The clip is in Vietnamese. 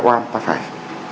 oan ta phải